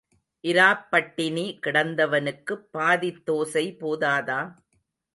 இராப் பட்டினி கிடந்தவனுக்குப் பாதித் தோசை போதாதா?